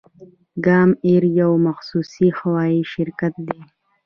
کام ایر یو خصوصي هوایی شرکت دی